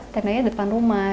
tendanya depan rumah